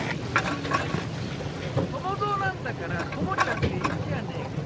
友蔵なんだからトモちゃんでいいんじゃねえか。